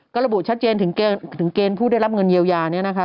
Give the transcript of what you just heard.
ก็ระบุชัดเจนถึงเกณฑ์ผู้ได้รับเงินเยียวยาเนี่ยนะคะ